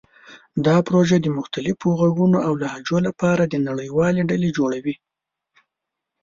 دا پروژه د مختلفو غږونو او لهجو لپاره د نړیوالې ډلې جوړوي.